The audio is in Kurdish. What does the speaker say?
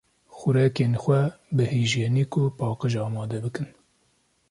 Xurekên xwe bi hîjyenîk û paqîj amade bikin.